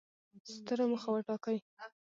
ستره موخه وټاکئ!